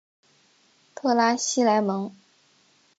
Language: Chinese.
特拉西莱蒙。